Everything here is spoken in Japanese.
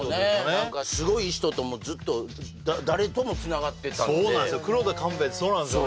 何かすごい人ともずっと誰ともつながってたんでそうなんすよ